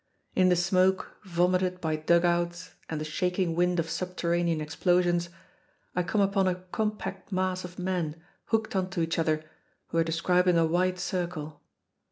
In the smoke vomited by dug outs and the shaking wind of subterranean explosions, I come upon a compact mass of men hooked onto each other who are describing a wide circle.